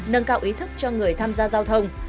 nâng cao ý thức cho người tham gia giao thông